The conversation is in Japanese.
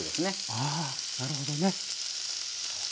あなるほどね。